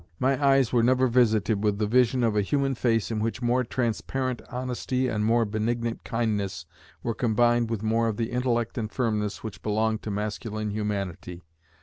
My eyes were never visited with the vision of a human face in which more transparent honesty and more benignant kindness were combined with more of the intellect and firmness which belong to masculine humanity.